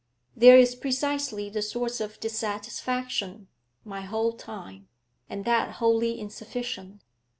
'There is precisely the source of dissatisfaction. My whole time, and that wholly insufficient.